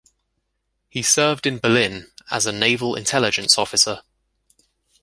He served in Berlin as a naval intelligence officer.